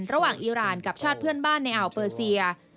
อีรานกับชาติเพื่อนบ้านในอ่าวเปอร์เซีย